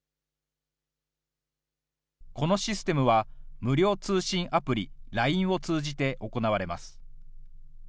このシステムは、無料通信アプリ、ＬＩＮＥを通じて行われます。